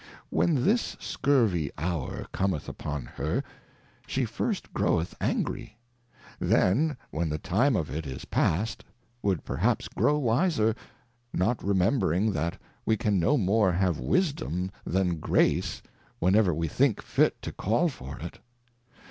When this scurvy hour cometh upon her^ she first groweth Angry ; then when the time of it is past^ would perhaps grow wiser, not remembring that we can no more have Wisdom than Grace, whenever we think fit to call for it.